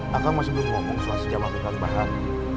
pak kang masih belum ngomong soal si jamal ke kang bahar